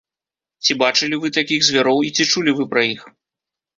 Ці бачылі вы такіх звяроў і ці чулі вы пра іх?